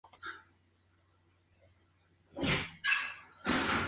Vestíbulo Avenida de Guadalajara